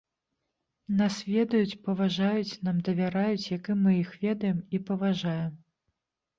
Нас ведаюць, паважаюць, нам давяраюць, як і мы іх ведаем і паважаем.